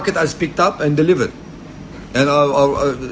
jadi dia menandatangani pesan telah diantar